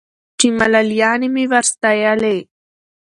چي ملالیاني مي ور ستایلې